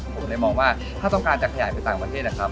ผมเลยมองว่าถ้าต้องการจะขยายไปต่างประเทศนะครับ